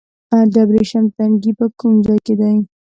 د ابریشم تنګی په کوم ځای کې دی؟